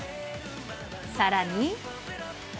さらに。